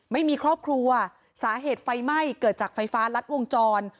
ไม่มีครอบครัวสาเหตุไฟไหม้เกิดจากไฟฟ้ารัดวงจร